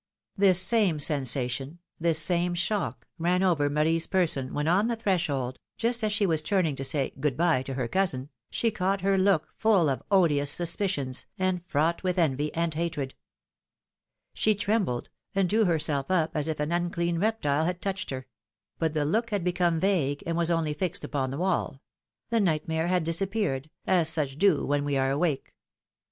This same sensation, this same shock, ran over Marie's person, when on the threshold, just as she was turning to say good bye" to her cousin, she caught her look full of odious suspicions, and fraught with envy and hatred. She trembled, and drew herself up as if an unclean reptile had touched her; but the look had become vague, and was only fixed upon the wall — the nightmare had disappeared, as such do when we awake. i>hilom^:ne's marriages.